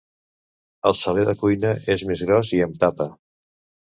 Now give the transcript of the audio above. El saler de cuina és més gros i amb tapa.